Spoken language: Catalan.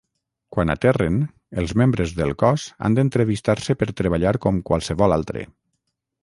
Quan aterren, els membres del cos han d'entrevistar-se per treballar com qualsevol altre.